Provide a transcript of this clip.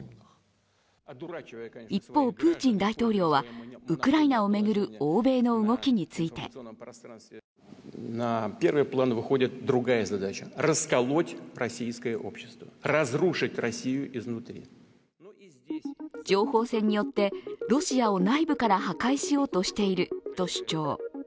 一方、プーチン大統領はウクライナを巡る欧米の動きについて情報戦によって、ロシアを内部から破壊しようとしていると主張。